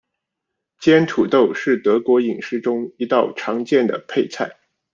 煎土豆是德国饮食中一道常见的配菜。